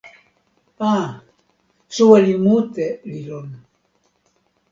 a, soweli mute li lon.